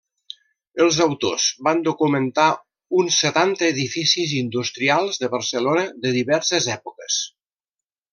Els autors van documentar uns setanta edificis industrials de Barcelona de diverses èpoques.